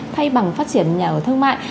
thay bằng phát triển nhà ở thương mại